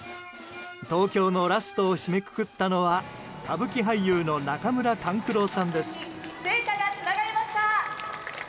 東京のラストを締めくくったのは歌舞伎俳優の中村勘九郎さんです。